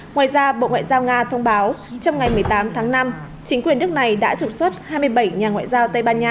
ngoài ra bộ ngoại giao nga thông báo trong ngày một mươi tám tháng năm chính quyền nước này đã trục xuất hai mươi bảy nhà ngoại giao tây ban nha